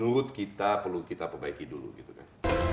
dan itu kita perlu kita perbaiki dulu gitu kan